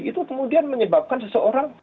itu kemudian menyebabkan seseorang